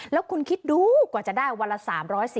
แล้วคุณคิดดูกว่าจะได้วันละ๓๔๐